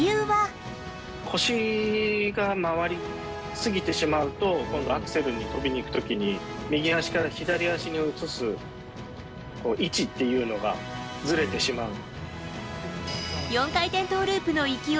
腰が回り過ぎてしまうと、今度アクセルに跳びにいくときに、右足から左足に移す位置っていうのが、ずれてしまう。